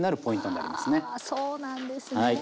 あそうなんですね。